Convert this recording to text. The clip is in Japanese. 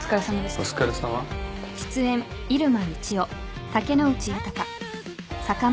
お疲れさま。